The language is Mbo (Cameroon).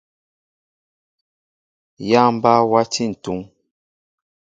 Yááŋ mbaa wati ntúŋ.